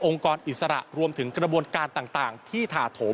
กรอิสระรวมถึงกระบวนการต่างที่ถาโถม